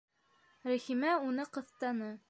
Рәхимә уны ҡыҫтаны: